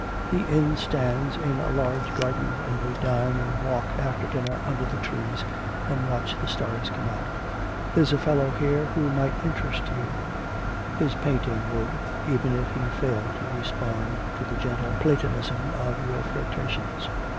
The inn stands in a large garden, and we dine and walk after dinner under the trees, and watch the stars come out. There's a fellow here who might interest you his painting would, even if he failed to respond to the gentle Platonism of your flirtations.